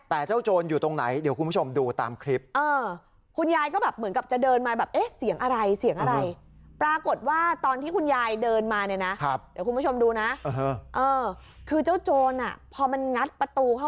แต่เจ้าโจรอยู่ตรงไหนเดี๋ยวคุณผู้ชมดูตามคลิป